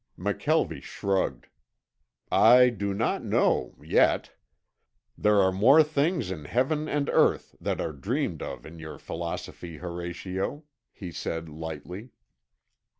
McKelvie shrugged. "I do not know yet. 'There are more things in heaven and earth than are dreamed of in your philosophy, Horatio,'" he said lightly.